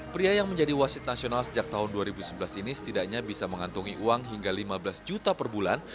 pria yang menjadi wasit nasional sejak tahun dua ribu sebelas ini setidaknya bisa mengantungi uang hingga lima belas juta per bulan